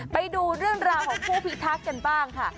ไปดูเรื่องราวของผู้พิทักษ์กันบ้างค่ะ